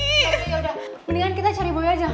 oke yaudah mendingan kita cari boy aja